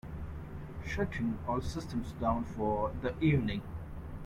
Shutting all systems down for the evening.